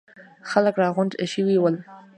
خلک راغونډ شوي ول.